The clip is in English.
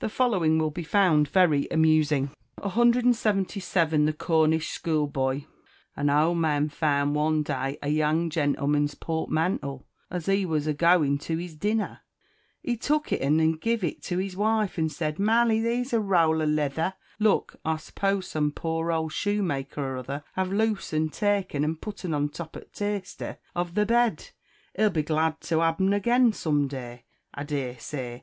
The following will be found very amusing: 177. The Cornish Schoolboy. An ould man found, one day, a young gentleman's portmantle, as he were a going to es dennar; he took'd et en and gived et to es wife, and said, "Mally, here's a roul of lither, look, see, I suppoase some poor ould shoemaker or other have los'en; tak'en, and put'en a top of the teaster of tha bed; he'll be glad to hab'en agin sum day, I dear say."